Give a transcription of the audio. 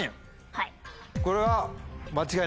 はい。